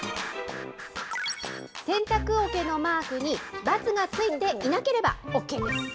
洗濯おけのマークに、×がついていなければＯＫです。